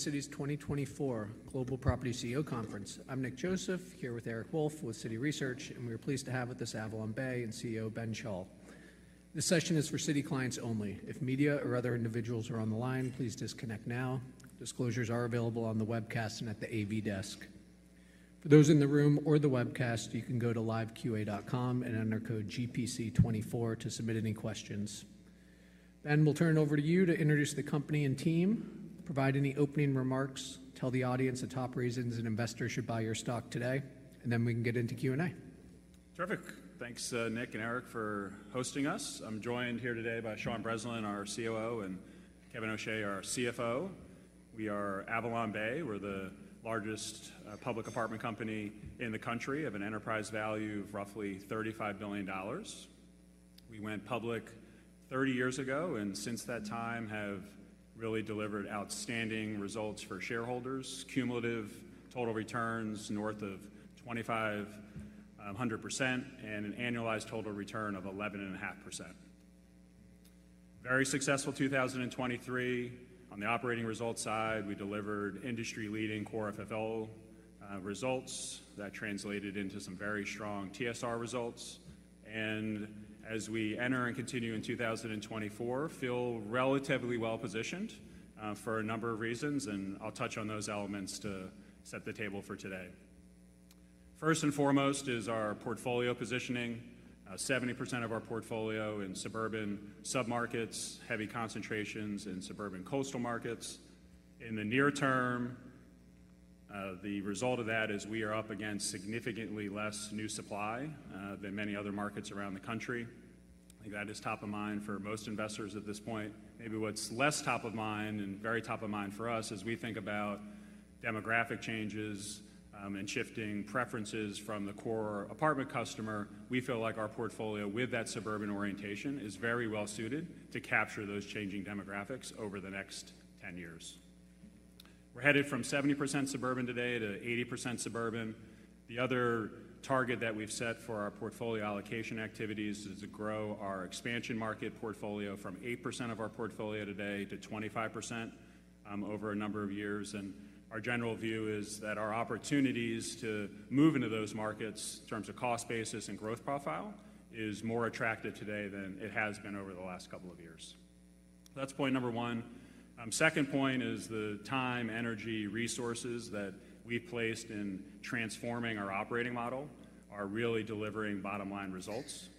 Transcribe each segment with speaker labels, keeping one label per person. Speaker 1: Citi's 2024 Global Property CEO Conference. I'm Nick Joseph, here with Eric Wolfe with Citi Research, and we are pleased to have with us AvalonBay's CEO Ben Schall. This session is for Citi clients only. If media or other individuals are on the line, please disconnect now. Disclosures are available on the webcast and at the AV desk. For those in the room or the webcast, you can go to Live Q&A and enter code GPC24 to submit any questions. Ben, we'll turn it over to you to introduce the company and team, provide any opening remarks, tell the audience the top reasons an investor should buy your stock today, and then we can get into Q&A.
Speaker 2: Terrific. Thanks, Nick and Eric, for hosting us. I'm joined here today by Sean Breslin, our COO, and Kevin O'Shea, our CFO. We are AvalonBay. We're the largest public apartment company in the country of an enterprise value of roughly $35 billion. We went public 30 years ago and since that time have really delivered outstanding results for shareholders: cumulative total returns north of 25,100%, and an annualized total return of 11.5%. Very successful 2023. On the operating results side, we delivered industry-leading Core FFO results that translated into some very strong TSR results. And as we enter and continue in 2024, feel relatively well-positioned for a number of reasons, and I'll touch on those elements to set the table for today. First and foremost is our portfolio positioning: 70% of our portfolio in suburban submarkets, heavy concentrations in suburban coastal markets. In the near term, the result of that is we are up against significantly less new supply than many other markets around the country. I think that is top of mind for most investors at this point. Maybe what's less top of mind and very top of mind for us is we think about demographic changes and shifting preferences from the core apartment customer. We feel like our portfolio with that suburban orientation is very well-suited to capture those changing demographics over the next 10 years. We're headed from 70% suburban today to 80% suburban. The other target that we've set for our portfolio allocation activities is to grow our expansion market portfolio from 8% of our portfolio today to 25% over a number of years. Our general view is that our opportunities to move into those markets in terms of cost basis and growth profile are more attractive today than they have been over the last couple of years. That's point number one. Second point is the time, energy, resources that we placed in transforming our operating model are really delivering bottom-line results.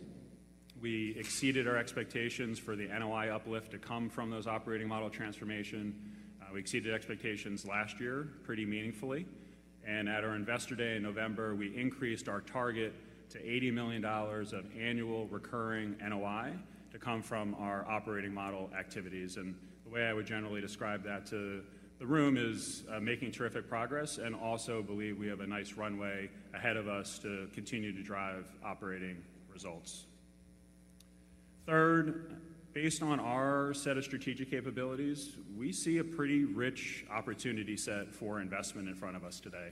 Speaker 2: We exceeded our expectations for the NOI uplift to come from those operating model transformations. We exceeded expectations last year pretty meaningfully. And at our investor day in November, we increased our target to $80 million of annual recurring NOI to come from our operating model activities. And the way I would generally describe that to the room is making terrific progress and also believe we have a nice runway ahead of us to continue to drive operating results. Third, based on our set of strategic capabilities, we see a pretty rich opportunity set for investment in front of us today.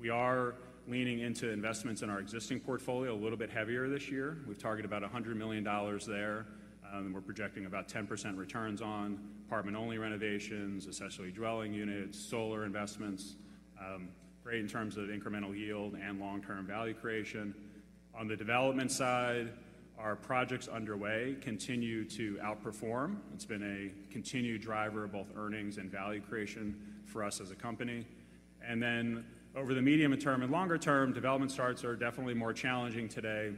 Speaker 2: We are leaning into investments in our existing portfolio a little bit heavier this year. We've targeted about $100 million there, and we're projecting about 10% returns on apartment-only renovations, especially dwelling units, solar investments. Great in terms of incremental yield and long-term value creation. On the development side, our projects underway continue to outperform. It's been a continued driver of both earnings and value creation for us as a company. And then over the medium-term and longer-term, development starts are definitely more challenging today.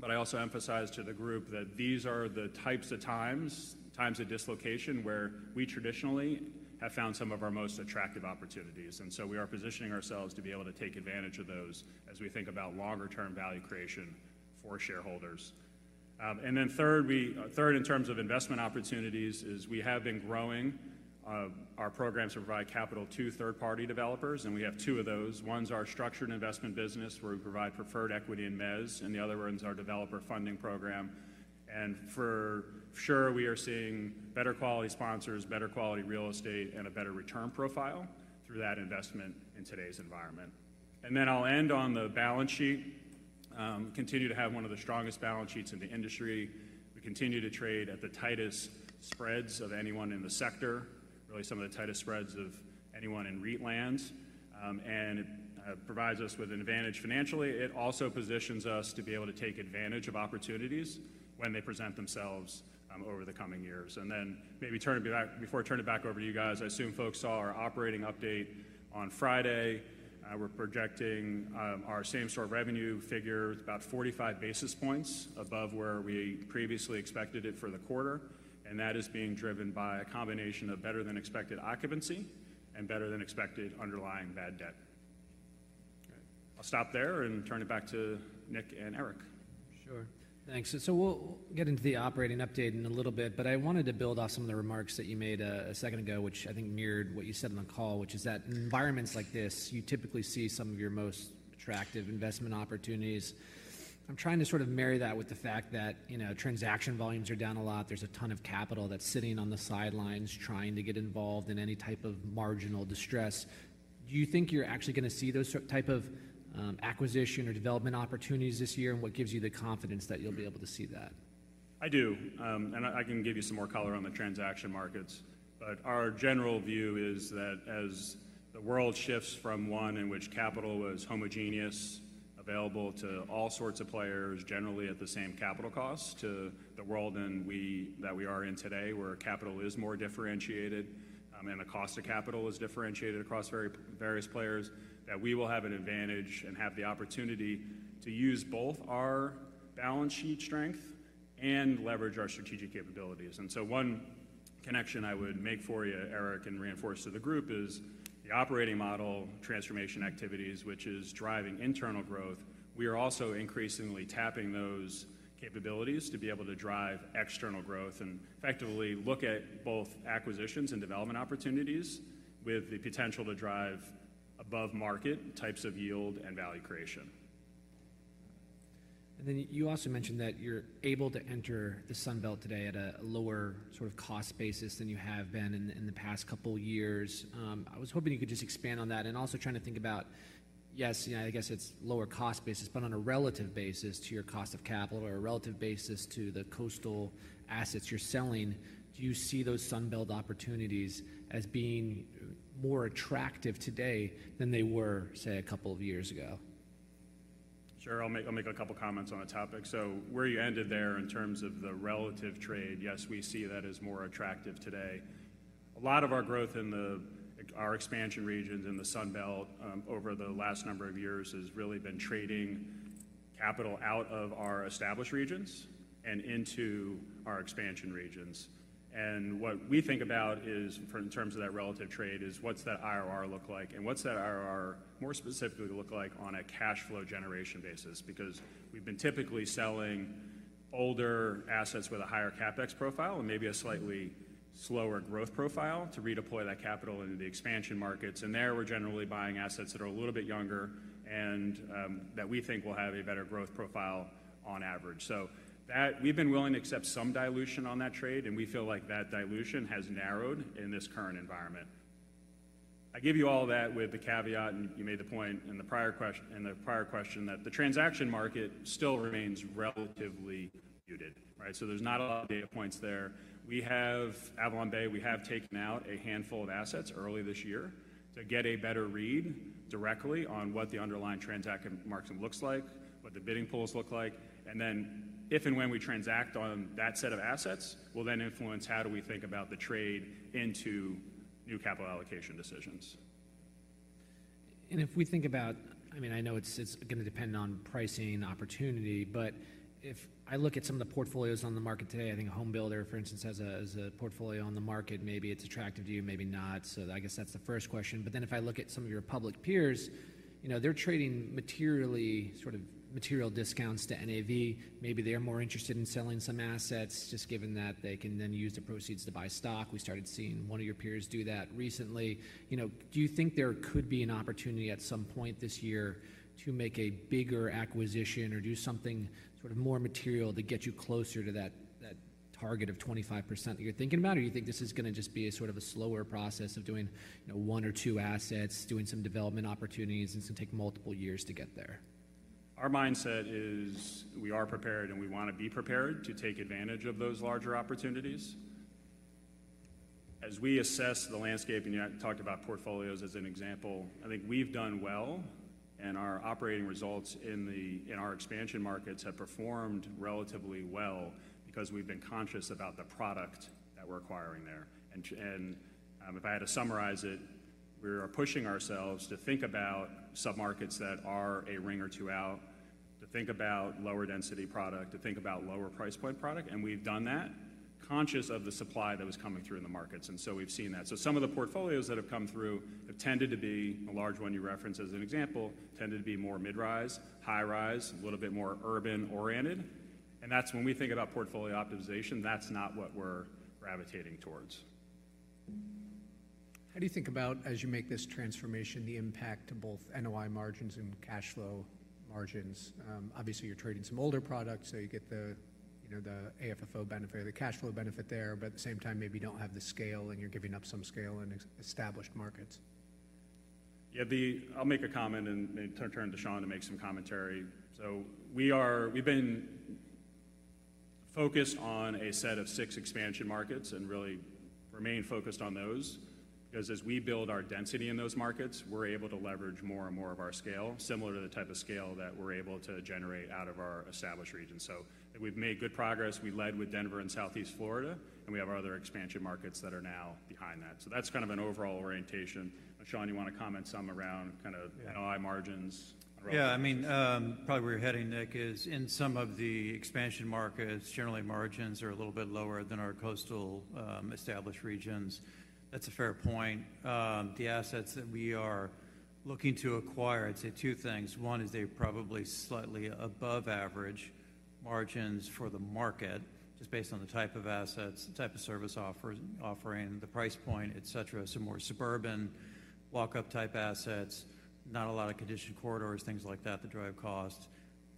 Speaker 2: But I also emphasize to the group that these are the types of times, times of dislocation, where we traditionally have found some of our most attractive opportunities. So we are positioning ourselves to be able to take advantage of those as we think about longer-term value creation for shareholders. Then third, in terms of investment opportunities, we have been growing our programs to provide capital to third-party developers, and we have two of those. One's our structured investment business where we provide preferred equity in mezz, and the other one's our Developer Funding Program. And for sure, we are seeing better-quality sponsors, better-quality real estate, and a better return profile through that investment in today's environment. Then I'll end on the balance sheet. We continue to have one of the strongest balance sheets in the industry. We continue to trade at the tightest spreads of anyone in the sector, really some of the tightest spreads of anyone in REIT land. And it provides us with an advantage financially. It also positions us to be able to take advantage of opportunities when they present themselves over the coming years. Then maybe before I turn it back over to you guys, I assume folks saw our operating update on Friday. We're projecting our same-store revenue figure. It's about 45 basis points above where we previously expected it for the quarter. That is being driven by a combination of better-than-expected occupancy and better-than-expected underlying bad debt. I'll stop there and turn it back to Nick and Eric.
Speaker 3: Sure. Thanks. So we'll get into the operating update in a little bit, but I wanted to build off some of the remarks that you made a second ago, which I think mirrored what you said on the call, which is that in environments like this, you typically see some of your most attractive investment opportunities. I'm trying to sort of marry that with the fact that transaction volumes are down a lot. There's a ton of capital that's sitting on the sidelines trying to get involved in any type of marginal distress. Do you think you're actually going to see those type of acquisition or development opportunities this year, and what gives you the confidence that you'll be able to see that?
Speaker 2: I do. I can give you some more color on the transaction markets. But our general view is that as the world shifts from one in which capital was homogeneous available to all sorts of players, generally at the same capital cost, to the world that we are in today where capital is more differentiated and the cost of capital is differentiated across various players, that we will have an advantage and have the opportunity to use both our balance sheet strength and leverage our strategic capabilities. So one connection I would make for you, Eric, and reinforce to the group is the operating model transformation activities, which is driving internal growth. We are also increasingly tapping those capabilities to be able to drive external growth and effectively look at both acquisitions and development opportunities with the potential to drive above-market types of yield and value creation.
Speaker 3: Then you also mentioned that you're able to enter the Sunbelt today at a lower sort of cost basis than you have been in the past couple of years. I was hoping you could just expand on that and also trying to think about, yes, I guess it's lower cost basis, but on a relative basis to your cost of capital or a relative basis to the coastal assets you're selling, do you see those Sunbelt opportunities as being more attractive today than they were, say, a couple of years ago?
Speaker 2: Sure. I'll make a couple of comments on the topic. So where you ended there in terms of the relative trade, yes, we see that as more attractive today. A lot of our growth in our expansion regions in the Sunbelt over the last number of years has really been trading capital out of our established regions and into our expansion regions. And what we think about in terms of that relative trade is what's that IRR look like, and what's that IRR more specifically look like on a cash flow generation basis? Because we've been typically selling older assets with a higher CapEx profile and maybe a slightly slower growth profile to redeploy that capital into the expansion markets. And there we're generally buying assets that are a little bit younger and that we think will have a better growth profile on average. So we've been willing to accept some dilution on that trade, and we feel like that dilution has narrowed in this current environment. I gave you all that with the caveat, and you made the point in the prior question, that the transaction market still remains relatively muted, right? So there's not a lot of data points there. AvalonBay, we have taken out a handful of assets early this year to get a better read directly on what the underlying transaction market looks like, what the bidding pools look like. And then if and when we transact on that set of assets, we'll then influence how do we think about the trade into new capital allocation decisions.
Speaker 3: If we think about, I mean, I know it's going to depend on pricing opportunity, but if I look at some of the portfolios on the market today, I think a home builder, for instance, has a portfolio on the market. Maybe it's attractive to you, maybe not. So I guess that's the first question. But then if I look at some of your public peers, they're trading materially sort of material discounts to NAV. Maybe they're more interested in selling some assets just given that they can then use the proceeds to buy stock. We started seeing one of your peers do that recently. Do you think there could be an opportunity at some point this year to make a bigger acquisition or do something sort of more material to get you closer to that target of 25% that you're thinking about, or do you think this is going to just be sort of a slower process of doing one or two assets, doing some development opportunities, and it's going to take multiple years to get there?
Speaker 2: Our mindset is we are prepared, and we want to be prepared to take advantage of those larger opportunities. As we assess the landscape, and you talked about portfolios as an example, I think we've done well, and our operating results in our expansion markets have performed relatively well because we've been conscious about the product that we're acquiring there. And if I had to summarize it, we are pushing ourselves to think about submarkets that are a ring or two out, to think about lower-density product, to think about lower-price point product. And we've done that conscious of the supply that was coming through in the markets. And so we've seen that. So some of the portfolios that have come through have tended to be the large one you referenced as an example tended to be more mid-rise, high-rise, a little bit more urban-oriented. When we think about portfolio optimization, that's not what we're gravitating towards.
Speaker 3: How do you think about, as you make this transformation, the impact to both NOI margins and cash flow margins? Obviously, you're trading some older products, so you get the AFFO benefit, the cash flow benefit there, but at the same time, maybe you don't have the scale, and you're giving up some scale in established markets.
Speaker 2: Yeah. I'll make a comment and turn to Sean to make some commentary. So we've been focused on a set of six expansion markets and really remain focused on those. Because as we build our density in those markets, we're able to leverage more and more of our scale, similar to the type of scale that we're able to generate out of our established regions. So we've made good progress. We led with Denver and Southeast Florida, and we have our other expansion markets that are now behind that. So that's kind of an overall orientation. Sean, you want to comment some around kind of NOI margins?
Speaker 4: Yeah. I mean, probably where you're heading, Nick, is in some of the expansion markets, generally margins are a little bit lower than our coastal established regions. That's a fair point. The assets that we are looking to acquire, I'd say two things. One is they're probably slightly above-average margins for the market just based on the type of assets, the type of service offering, the price point, etc. Some more suburban walk-up type assets, not a lot of conditioned corridors, things like that that drive cost.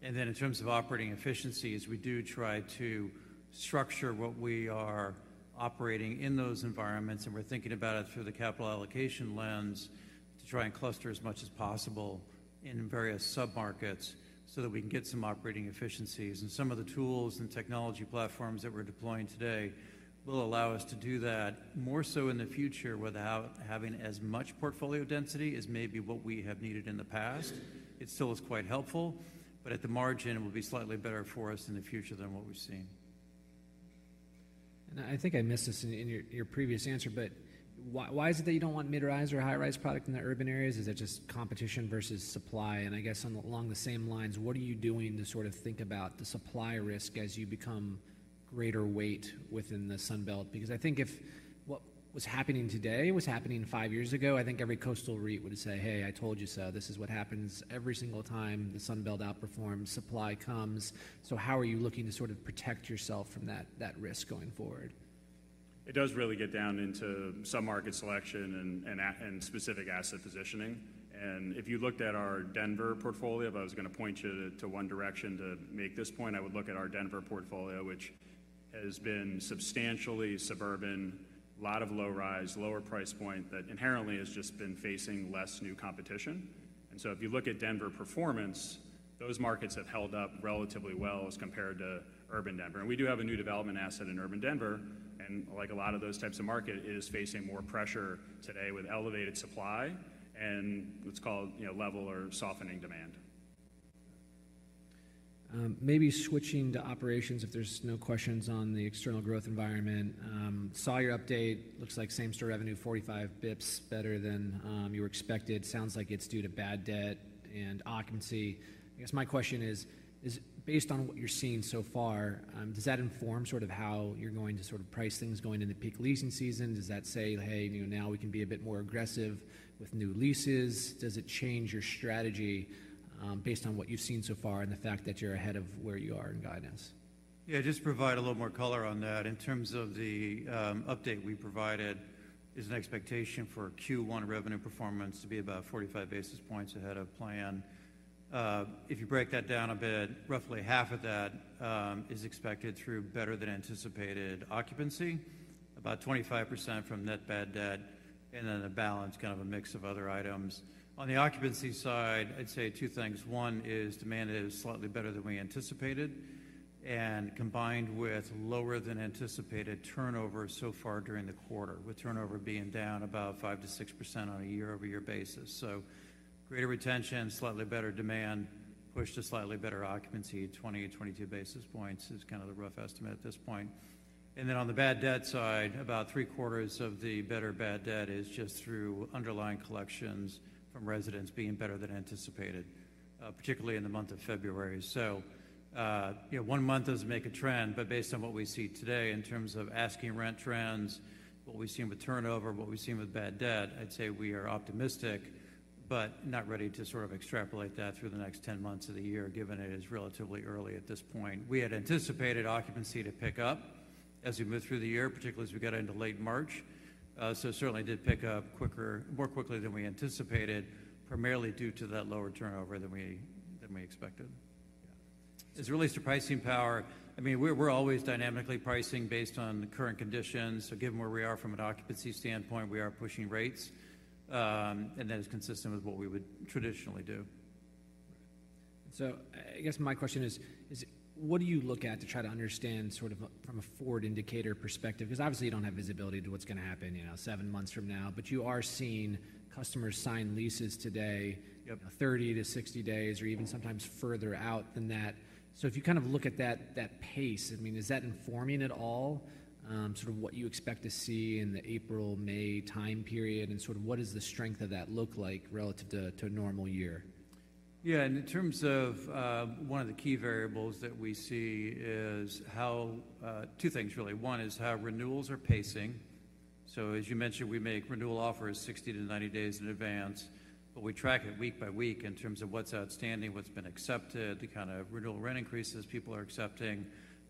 Speaker 4: And then in terms of operating efficiencies, we do try to structure what we are operating in those environments, and we're thinking about it through the capital allocation lens to try and cluster as much as possible in various submarkets so that we can get some operating efficiencies. Some of the tools and technology platforms that we're deploying today will allow us to do that more so in the future without having as much portfolio density as maybe what we have needed in the past. It still is quite helpful, but at the margin, it will be slightly better for us in the future than what we've seen.
Speaker 3: And I think I missed this in your previous answer, but why is it that you don't want mid-rise or high-rise product in the urban areas? Is it just competition versus supply? And I guess along the same lines, what are you doing to sort of think about the supply risk as you become greater weight within the Sunbelt? Because I think if what was happening today was happening five years ago, I think every coastal REIT would say, "Hey, I told you so. This is what happens every single time the Sunbelt outperforms. Supply comes. So how are you looking to sort of protect yourself from that risk going forward?
Speaker 2: It does really get down into submarket selection and specific asset positioning. And if you looked at our Denver portfolio, but I was going to point you to one direction to make this point, I would look at our Denver portfolio, which has been substantially suburban, a lot of low-rise, lower price point that inherently has just been facing less new competition. And so if you look at Denver performance, those markets have held up relatively well as compared to urban Denver. And we do have a new development asset in urban Denver, and like a lot of those types of market, it is facing more pressure today with elevated supply and what's called level or softening demand.
Speaker 3: Maybe switching to operations if there's no questions on the external growth environment. Saw your update. Looks like Same-Store Revenue, 45 basis points better than you were expected. Sounds like it's due to bad debt and occupancy. I guess my question is, based on what you're seeing so far, does that inform sort of how you're going to sort of price things going into peak leasing season? Does that say, "Hey, now we can be a bit more aggressive with new leases"? Does it change your strategy based on what you've seen so far and the fact that you're ahead of where you are in guidance?
Speaker 5: Yeah. Just to provide a little more color on that, in terms of the update we provided, it's an expectation for Q1 revenue performance to be about 45 basis points ahead of plan. If you break that down a bit, roughly half of that is expected through better-than-anticipated occupancy, about 25% from net bad debt, and then the balance, kind of a mix of other items. On the occupancy side, I'd say two things. One is demand is slightly better than we anticipated and combined with lower-than-anticipated turnover so far during the quarter, with turnover being down about 5%-6% on a year-over-year basis. So greater retention, slightly better demand, push to slightly better occupancy, 20-22 basis points is kind of the rough estimate at this point. And then on the bad debt side, about three-quarters of the better bad debt is just through underlying collections from residents being better than anticipated, particularly in the month of February. So one month doesn't make a trend, but based on what we see today in terms of asking rent trends, what we've seen with turnover, what we've seen with bad debt, I'd say we are optimistic but not ready to sort of extrapolate that through the next 10 months of the year given it is relatively early at this point. We had anticipated occupancy to pick up as we move through the year, particularly as we got into late March. So certainly did pick up more quickly than we anticipated, primarily due to that lower turnover than we expected. As it relates to pricing power, I mean, we're always dynamically pricing based on current conditions. Given where we are from an occupancy standpoint, we are pushing rates, and that is consistent with what we would traditionally do.
Speaker 3: So I guess my question is, what do you look at to try to understand sort of from a forward indicator perspective? Because obviously, you don't have visibility to what's going to happen seven months from now, but you are seeing customers sign leases today, 30 days-60 days or even sometimes further out than that. So if you kind of look at that pace, I mean, is that informing at all sort of what you expect to see in the April, May time period? And sort of what does the strength of that look like relative to a normal year?
Speaker 5: Yeah. In terms of one of the key variables that we see is two things, really. One is how renewals are pacing. As you mentioned, we make renewal offers 60 days-90 days in advance, but we track it week by week in terms of what's outstanding, what's been accepted, the kind of renewal rent increases people are accepting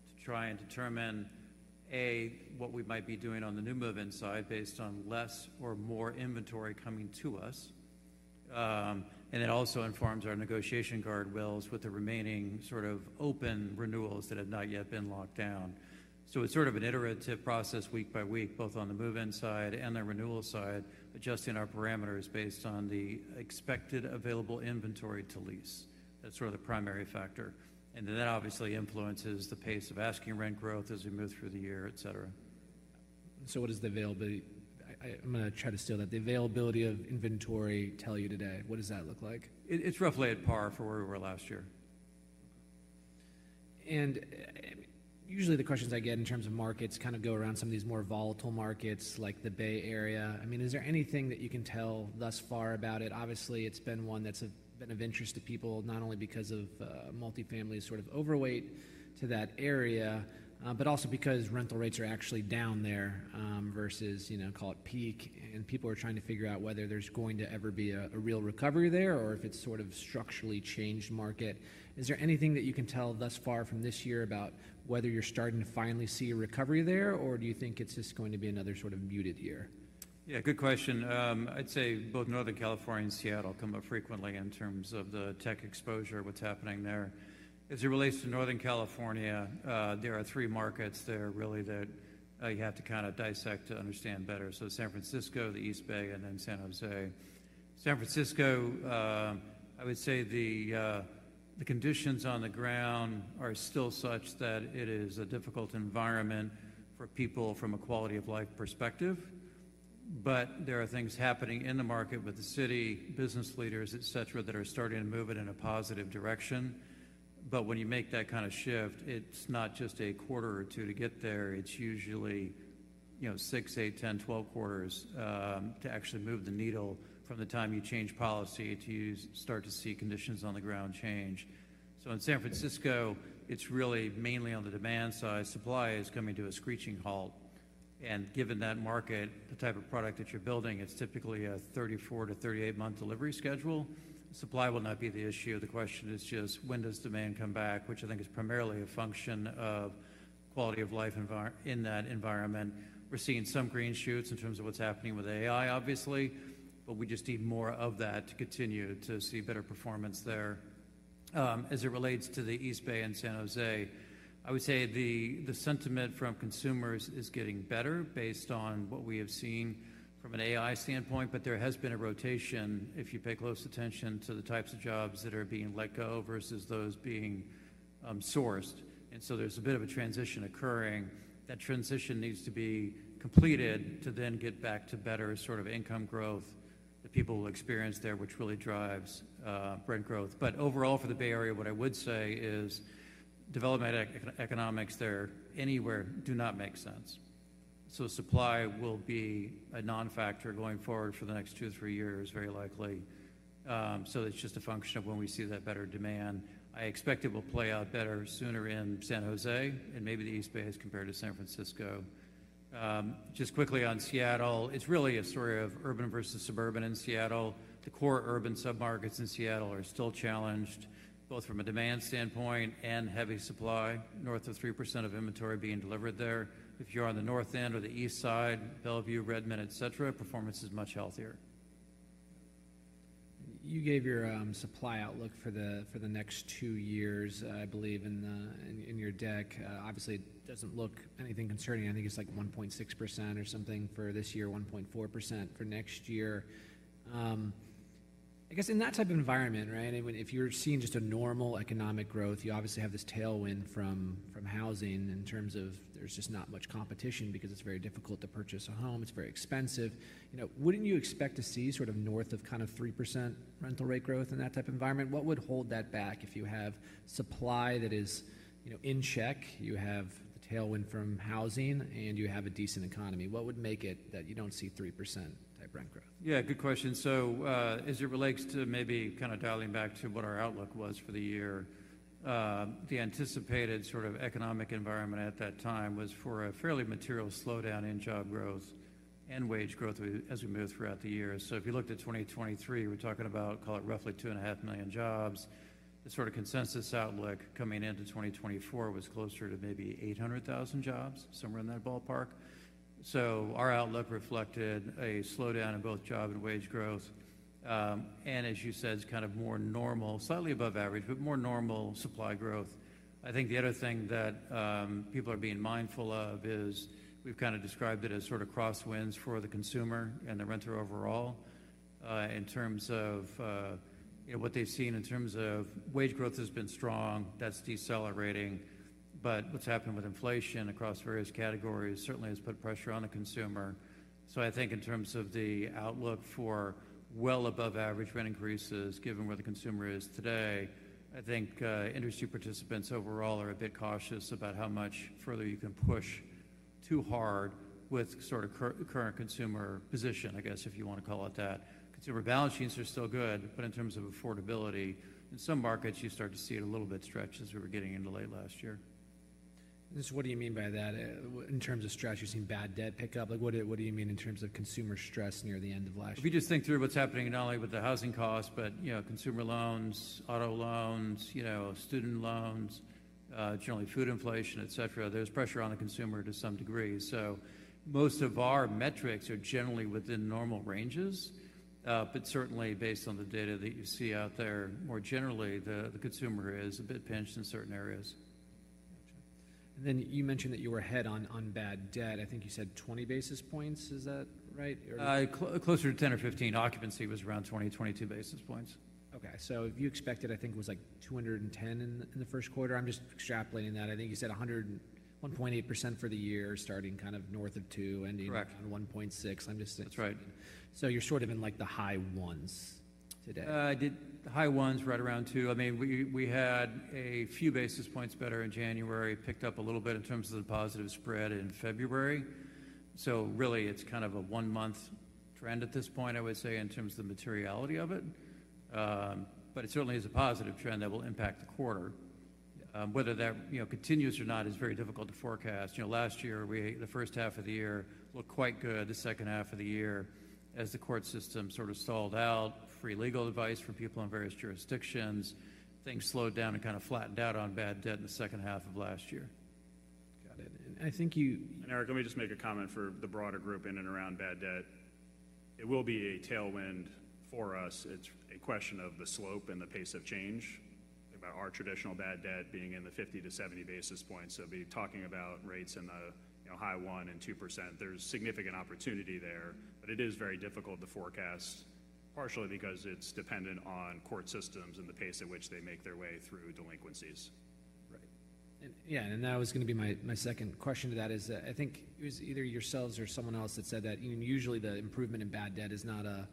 Speaker 5: to try and determine, A, what we might be doing on the new move-in side based on less or more inventory coming to us. And it also informs our negotiation guardrails with the remaining sort of open renewals that have not yet been locked down. It's sort of an iterative process week by week, both on the move-in side and the renewal side, adjusting our parameters based on the expected available inventory to lease. That's sort of the primary factor. And then that obviously influences the pace of asking rent growth as we move through the year, etc.
Speaker 3: So, what does the availability? I'm going to try to steal that. The availability of inventory tell you today? What does that look like?
Speaker 5: It's roughly at par for where we were last year.
Speaker 3: Usually, the questions I get in terms of markets kind of go around some of these more volatile markets like the Bay Area. I mean, is there anything that you can tell thus far about it? Obviously, it's been one that's been of interest to people not only because of multifamily sort of overweight to that area but also because rental rates are actually down there versus, call it peak, and people are trying to figure out whether there's going to ever be a real recovery there or if it's sort of structurally changed market. Is there anything that you can tell thus far from this year about whether you're starting to finally see a recovery there, or do you think it's just going to be another sort of muted year?
Speaker 5: Yeah. Good question. I'd say both Northern California and Seattle come up frequently in terms of the tech exposure, what's happening there. As it relates to Northern California, there are three markets there, really, that you have to kind of dissect to understand better. So San Francisco, the East Bay, and then San Jose. San Francisco, I would say the conditions on the ground are still such that it is a difficult environment for people from a quality of life perspective. But there are things happening in the market with the city, business leaders, etc., that are starting to move it in a positive direction. But when you make that kind of shift, it's not just a quarter or two to get there. It's usually six, eight, 10, 12 quarters to actually move the needle from the time you change policy to start to see conditions on the ground change. So in San Francisco, it's really mainly on the demand side. Supply is coming to a screeching halt. Given that market, the type of product that you're building, it's typically a 34 months-38 months delivery schedule. Supply will not be the issue. The question is just when does demand come back, which I think is primarily a function of quality of life in that environment. We're seeing some green shoots in terms of what's happening with AI, obviously, but we just need more of that to continue to see better performance there. As it relates to the East Bay and San Jose, I would say the sentiment from consumers is getting better based on what we have seen from an AI standpoint, but there has been a rotation if you pay close attention to the types of jobs that are being let go versus those being sourced. There's a bit of a transition occurring. That transition needs to be completed to then get back to better sort of income growth that people will experience there, which really drives rent growth. But overall, for the Bay Area, what I would say is development economics there anywhere do not make sense. So supply will be a non-factor going forward for the next two years-three years, very likely. So it's just a function of when we see that better demand. I expect it will play out better sooner in San Jose and maybe the East Bay as compared to San Francisco. Just quickly on Seattle, it's really a story of urban versus suburban in Seattle. The core urban submarkets in Seattle are still challenged both from a demand standpoint and heavy supply, north of 3% of inventory being delivered there. If you're on the north end or the east side, Bellevue, Redmond, etc., performance is much healthier.
Speaker 3: You gave your supply outlook for the next two years, I believe, in your deck. Obviously, it doesn't look anything concerning. I think it's like 1.6% or something for this year, 1.4% for next year. I guess in that type of environment, right, I mean, if you're seeing just a normal economic growth, you obviously have this tailwind from housing in terms of there's just not much competition because it's very difficult to purchase a home. It's very expensive. Wouldn't you expect to see sort of north of kind of 3% rental rate growth in that type of environment? What would hold that back if you have supply that is in check, you have the tailwind from housing, and you have a decent economy? What would make it that you don't see 3% type rent growth?
Speaker 5: Yeah. Good question. So as it relates to maybe kind of dialing back to what our outlook was for the year, the anticipated sort of economic environment at that time was for a fairly material slowdown in job growth and wage growth as we move throughout the year. So if you looked at 2023, we're talking about, call it, roughly 2.5 million jobs. The sort of consensus outlook coming into 2024 was closer to maybe 800,000 jobs, somewhere in that ballpark. So our outlook reflected a slowdown in both job and wage growth and, as you said, kind of more normal, slightly above average, but more normal supply growth. I think the other thing that people are being mindful of is we've kind of described it as sort of crosswinds for the consumer and the renter overall in terms of what they've seen. In terms of wage growth has been strong. That's decelerating. But what's happened with inflation across various categories certainly has put pressure on the consumer. So I think in terms of the outlook for well above average rent increases given where the consumer is today, I think industry participants overall are a bit cautious about how much further you can push too hard with sort of current consumer position, I guess, if you want to call it that. Consumer balance sheets are still good, but in terms of affordability, in some markets, you start to see it a little bit stretched as we were getting into late last year.
Speaker 3: What do you mean by that? In terms of stress, you're seeing bad debt pick up. What do you mean in terms of consumer stress near the end of last year?
Speaker 5: If you just think through what's happening not only with the housing costs but consumer loans, auto loans, student loans, generally food inflation, etc., there's pressure on the consumer to some degree. So most of our metrics are generally within normal ranges, but certainly based on the data that you see out there, more generally, the consumer is a bit pinched in certain areas.
Speaker 3: Gotcha. And then you mentioned that you were ahead on bad debt. I think you said 20 basis points. Is that right, or?
Speaker 5: Closer to 10 or 15. Occupancy was around 20, 22 basis points.
Speaker 3: Okay. So you expected, I think, it was like 210 in the first quarter. I'm just extrapolating that. I think you said 1.8% for the year starting kind of north of 2%, ending on 1.6%. I'm just thinking.
Speaker 5: That's right.
Speaker 3: You're sort of in the high ones today?
Speaker 5: The high ones right around two. I mean, we had a few basis points better in January, picked up a little bit in terms of the positive spread in February. So really, it's kind of a one-month trend at this point, I would say, in terms of the materiality of it. But it certainly is a positive trend that will impact the quarter. Whether that continues or not is very difficult to forecast. Last year, the first half of the year looked quite good. The second half of the year, as the court system sort of stalled out, free legal advice from people in various jurisdictions, things slowed down and kind of flattened out on bad debt in the second half of last year.
Speaker 3: Got it. And I think you.
Speaker 4: Eric, let me just make a comment for the broader group in and around bad debt. It will be a tailwind for us. It's a question of the slope and the pace of change, about our traditional bad debt being in the 50 basis points-70 basis points. So be talking about rates in the high 1%-2%, there's significant opportunity there, but it is very difficult to forecast partially because it's dependent on court systems and the pace at which they make their way through delinquencies.
Speaker 3: Right. Yeah. And then that was going to be my second question to that is I think it was either yourselves or someone else that said that usually, the improvement in bad debt is not a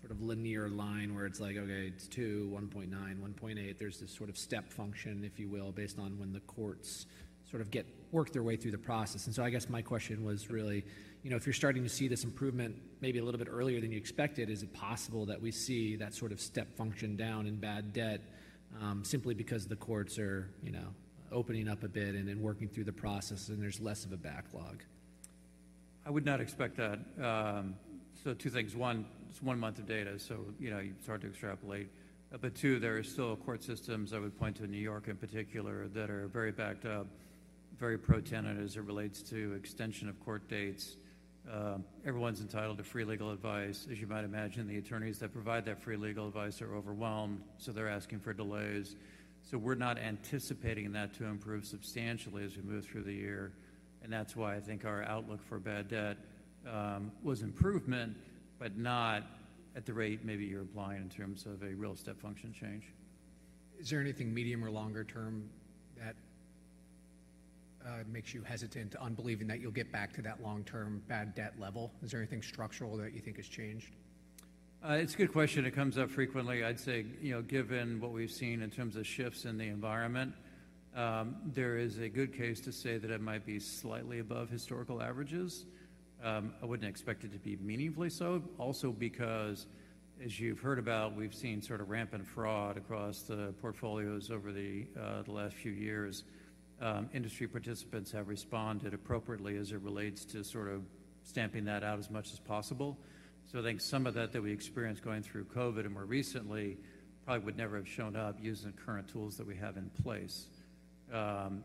Speaker 3: sort of linear line where it's like, "Okay. It's two, 1.9, 1.8." There's this sort of step function, if you will, based on when the courts sort of work their way through the process. And so I guess my question was really, if you're starting to see this improvement maybe a little bit earlier than you expected, is it possible that we see that sort of step function down in bad debt simply because the courts are opening up a bit and working through the process and there's less of a backlog?
Speaker 5: I would not expect that. So two things. One, it's one month of data, so you start to extrapolate. But two, there are still court systems, I would point to New York in particular, that are very backed up, very pro-tenant as it relates to extension of court dates. Everyone's entitled to free legal advice. As you might imagine, the attorneys that provide that free legal advice are overwhelmed, so they're asking for delays. So we're not anticipating that to improve substantially as we move through the year. And that's why I think our outlook for bad debt was improvement but not at the rate maybe you're applying in terms of a real step function change.
Speaker 3: Is there anything medium or longer term that makes you hesitant, unbelieving that you'll get back to that long-term bad debt level? Is there anything structural that you think has changed?
Speaker 5: It's a good question. It comes up frequently. I'd say given what we've seen in terms of shifts in the environment, there is a good case to say that it might be slightly above historical averages. I wouldn't expect it to be meaningfully so also because, as you've heard about, we've seen sort of rampant fraud across the portfolios over the last few years. Industry participants have responded appropriately as it relates to sort of stamping that out as much as possible. So I think some of that that we experienced going through COVID and more recently probably would never have shown up using the current tools that we have in place.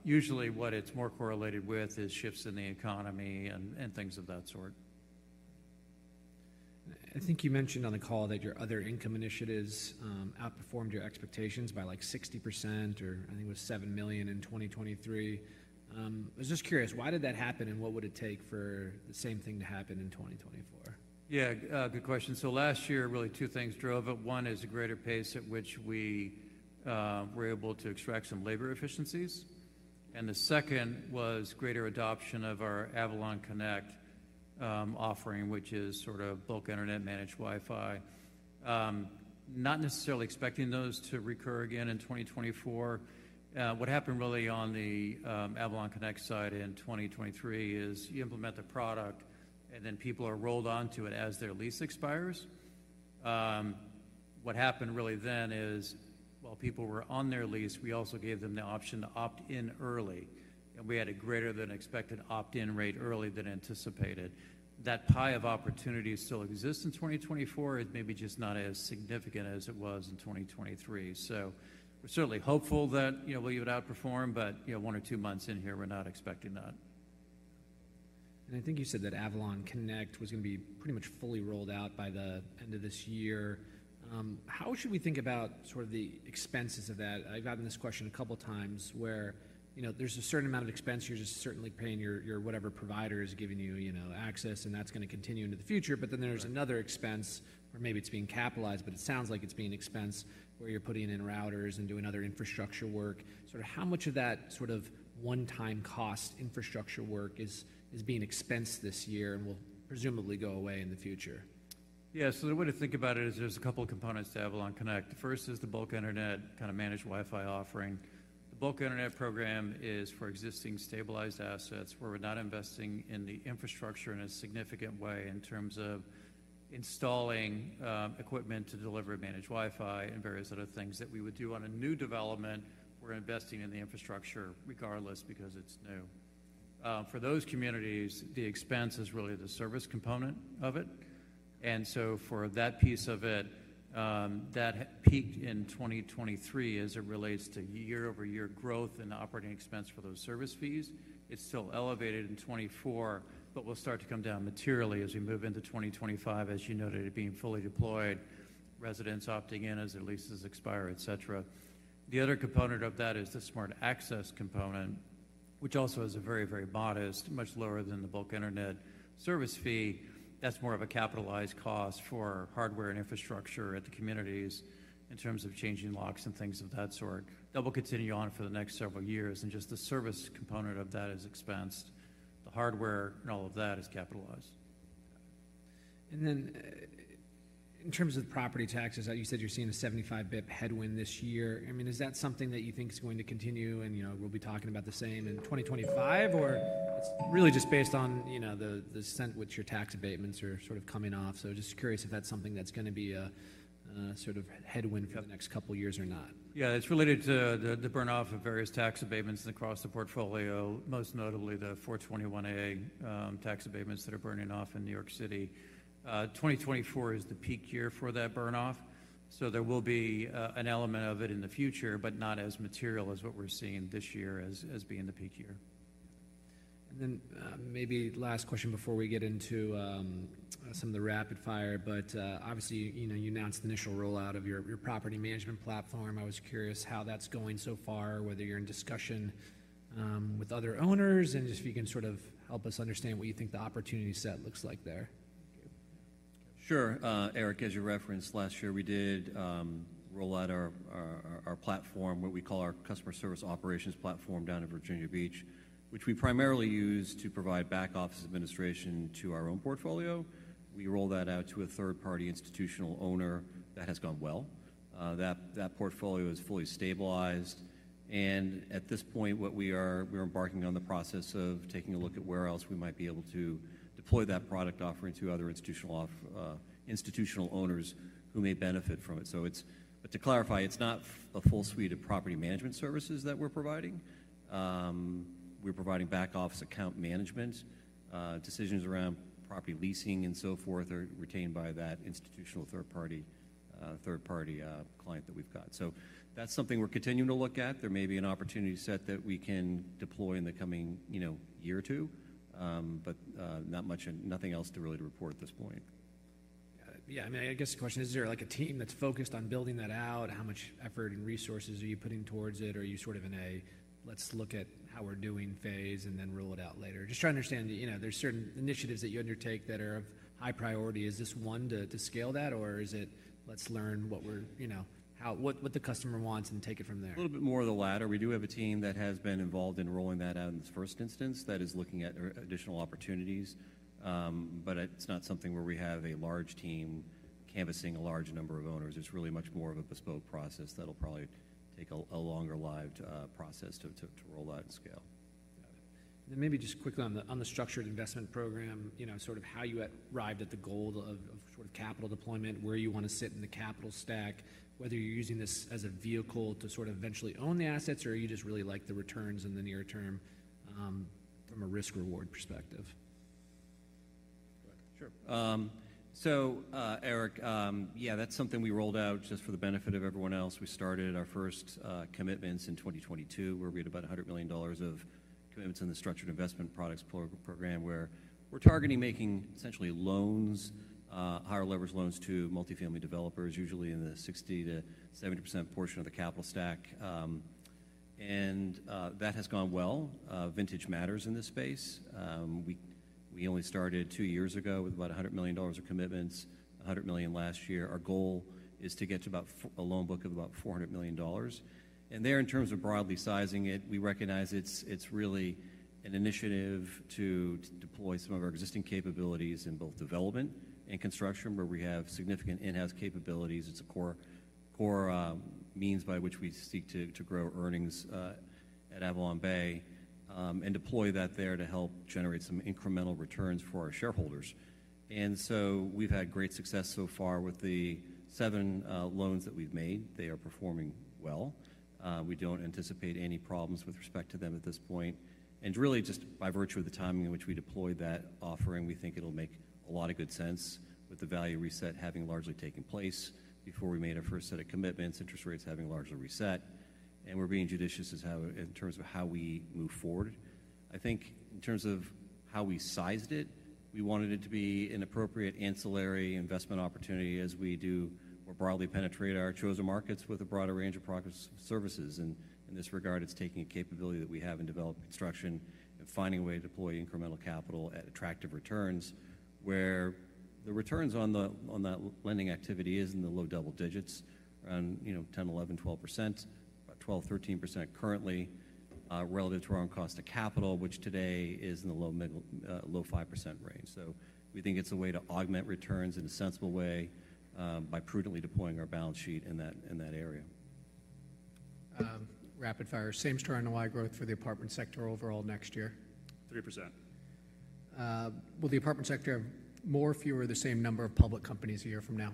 Speaker 5: Usually, what it's more correlated with is shifts in the economy and things of that sort.
Speaker 3: I think you mentioned on the call that your other income initiatives outperformed your expectations by like 60% or I think it was $7 million in 2023. I was just curious, why did that happen, and what would it take for the same thing to happen in 2024?
Speaker 5: Yeah. Good question. So last year, really, two things drove it. One is a greater pace at which we were able to extract some labor efficiencies. And the second was greater adoption of our AvalonConnect offering, which is sort of bulk internet managed Wi-Fi. Not necessarily expecting those to recur again in 2024. What happened, really, on the AvalonConnect side in 2023 is you implement the product, and then people are rolled onto it as their lease expires. What happened, really, then is while people were on their lease, we also gave them the option to opt in early, and we had a greater than expected opt-in rate early than anticipated. That pie of opportunity still exists in 2024. It's maybe just not as significant as it was in 2023. So we're certainly hopeful that we'll even outperform, but one or two months in here, we're not expecting that.
Speaker 3: I think you said that AvalonConnect was going to be pretty much fully rolled out by the end of this year. How should we think about sort of the expenses of that? I've gotten this question a couple of times where there's a certain amount of expense. You're just certainly paying your whatever provider is giving you access, and that's going to continue into the future. But then there's another expense where maybe it's being capitalized, but it sounds like it's being an expense where you're putting in routers and doing other infrastructure work. Sort of how much of that sort of one-time cost infrastructure work is being expensed this year and will presumably go away in the future?
Speaker 5: Yeah. So the way to think about it is there's a couple of components to AvalonConnect. The first is the bulk internet kind of managed Wi-Fi offering. The bulk internet program is for existing stabilized assets. We're not investing in the infrastructure in a significant way in terms of installing equipment to deliver managed Wi-Fi and various other things that we would do. On a new development, we're investing in the infrastructure regardless because it's new. For those communities, the expense is really the service component of it. And so for that piece of it, that peaked in 2023 as it relates to year-over-year growth in operating expense for those service fees. It's still elevated in 2024, but will start to come down materially as we move into 2025, as you noted, it being fully deployed, residents opting in as their leases expire, etc. The other component of that is the smart access component, which also is a very, very modest, much lower than the bulk internet service fee. That's more of a capitalized cost for hardware and infrastructure at the communities in terms of changing locks and things of that sort that will continue on for the next several years. And just the service component of that is expensed. The hardware and all of that is capitalized.
Speaker 3: And then in terms of the property taxes, you said you're seeing a 75 basis points headwind this year. I mean, is that something that you think is going to continue, and we'll be talking about the same in 2025, or it's really just based on the extent which your tax abatements are sort of coming off? So just curious if that's something that's going to be a sort of headwind for the next couple of years or not.
Speaker 5: Yeah. It's related to the burn-off of various tax abatements across the portfolio, most notably the 421(a) tax abatements that are burning off in New York City. 2024 is the peak year for that burn-off, so there will be an element of it in the future but not as material as what we're seeing this year as being the peak year.
Speaker 3: And then maybe last question before we get into some of the rapid fire. But obviously, you announced the initial rollout of your property management platform. I was curious how that's going so far, whether you're in discussion with other owners, and just if you can sort of help us understand what you think the opportunity set looks like there.
Speaker 5: Sure. Eric, as you referenced, last year, we did roll out our platform, what we call our customer service operations platform, down in Virginia Beach, which we primarily use to provide back-office administration to our own portfolio. We roll that out to a third-party institutional owner that has gone well. That portfolio is fully stabilized. And at this point, we're embarking on the process of taking a look at where else we might be able to deploy that product offering to other institutional owners who may benefit from it. But to clarify, it's not a full suite of property management services that we're providing. We're providing back-office account management. Decisions around property leasing and so forth are retained by that institutional third-party client that we've got. So that's something we're continuing to look at. There may be an opportunity set that we can deploy in the coming year or two, but nothing else really to report at this point.
Speaker 3: Got it. Yeah. I mean, I guess the question is, is there a team that's focused on building that out? How much effort and resources are you putting towards it? Are you sort of in a, "Let's look at how we're doing," phase and then roll it out later? Just trying to understand, there's certain initiatives that you undertake that are of high priority. Is this one to scale that, or is it, "Let's learn what the customer wants and take it from there"?
Speaker 5: A little bit more of the latter. We do have a team that has been involved in rolling that out in this first instance that is looking at additional opportunities, but it's not something where we have a large team canvassing a large number of owners. It's really much more of a bespoke process that'll probably take a longer-lived process to roll that and scale.
Speaker 3: Got it. And then maybe just quickly on the structured investment program, sort of how you arrived at the goal of sort of capital deployment, where you want to sit in the capital stack, whether you're using this as a vehicle to sort of eventually own the assets, or are you just really the returns in the near term from a risk-reward perspective? Go ahead.
Speaker 5: Sure. So Eric, yeah, that's something we rolled out just for the benefit of everyone else. We started our first commitments in 2022, where we had about $100 million of commitments in the structured investment products program, where we're targeting making essentially loans, higher leverage loans to multifamily developers, usually in the 60%-70% portion of the capital stack. And that has gone well. Vintage matters in this space. We only started two years ago with about $100 million of commitments, $100 million last year. Our goal is to get to a loan book of about $400 million. And there, in terms of broadly sizing it, we recognize it's really an initiative to deploy some of our existing capabilities in both development and construction, where we have significant in-house capabilities. It's a core means by which we seek to grow earnings at AvalonBay and deploy that there to help generate some incremental returns for our shareholders. And so we've had great success so far with the 7 loans that we've made. They are performing well. We don't anticipate any problems with respect to them at this point. And really, just by virtue of the timing in which we deployed that offering, we think it'll make a lot of good sense with the value reset having largely taken place before we made our first set of commitments, interest rates having largely reset, and we're being judicious in terms of how we move forward. I think in terms of how we sized it, we wanted it to be an appropriate ancillary investment opportunity as we do more broadly penetrate our chosen markets with a broader range of services. In this regard, it's taking a capability that we have in development, construction, and finding a way to deploy incremental capital at attractive returns where the returns on that lending activity is in the low double digits, around 10, 11, 12%, about 12, 13% currently relative to our own cost of capital, which today is in the low 5% range. We think it's a way to augment returns in a sensible way by prudently deploying our balance sheet in that area.
Speaker 3: Rapid fire. Same story on the Y growth for the apartment sector overall next year?
Speaker 5: 3%.
Speaker 3: Will the apartment sector have more or fewer of the same number of public companies a year from now?